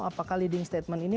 apakah leading statement ini